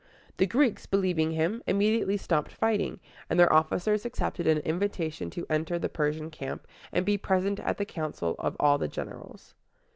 The Greeks, believing him, immediately stopped fighting; and their officers accepted an invitation to enter the Persian camp, and be present at the council of all the generals.